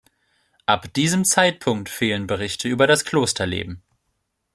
Ab diesem Zeitpunkt fehlen Berichte über das Klosterleben.